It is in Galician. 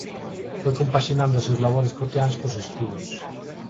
Foi compaxinando os seus labores cotiáns cos estudos.